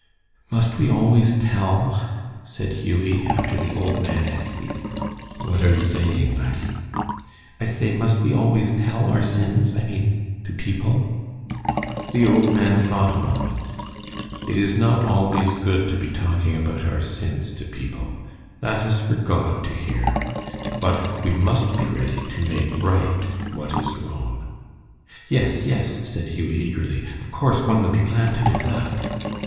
"Must we always tell?" said Hughie, after the old man had ceased. "What are you saying, laddie?" "I say must we always tell our sins I mean to people?" The old man thought a moment. "It is not always good to be talking about our sins to people. That is for God to hear. But we must be ready to make right what is wrong." "Yes, yes," said Hughie, eagerly, "of course one would be glad to do that."